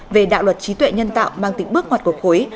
về đạo luật trí tuệ nhân tạo mang tính bước ngoặt của khối